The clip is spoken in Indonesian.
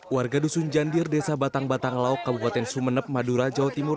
warga dusun jandir desa batang batang lauk kabupaten sumeneb madura jawa timur